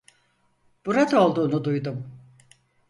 Burada olduğunu duydum.